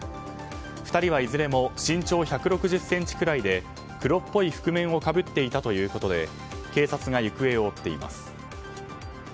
２人はいずれも身長１６０ｃｍくらいで黒っぽい覆面をかぶっていたということで警察が行方を追っています。